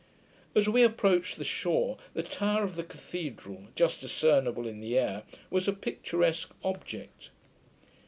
As we approached the shore, the tower of the cathedral, just discernable in the air, was a picturesque object.